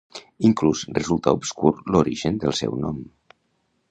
Inclús resulta obscur l'origen del seu nom.